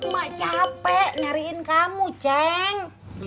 mak capek nyariin kamu ceng